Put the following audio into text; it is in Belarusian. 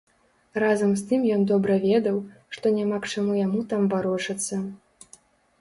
Разам з тым ён добра ведаў, што няма к чаму яму там варочацца.